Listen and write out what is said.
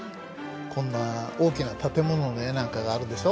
こんな大きな建物の絵なんかがあるでしょ？